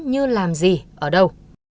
như làm gì ở đâu